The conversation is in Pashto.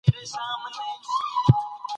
تجربه او مشاهده مهمه سوه.